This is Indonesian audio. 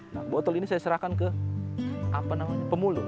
nah botol ini saya serahkan ke apa namanya pemulung